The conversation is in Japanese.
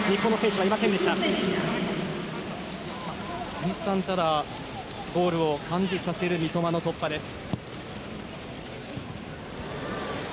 再三、ゴールを感じさせる三笘の突破です。